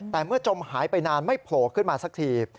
แต่เมื่อจมหายไปนานไม่โผล่ขึ้นมาสักที